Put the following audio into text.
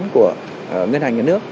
của ngân hàng nhân nước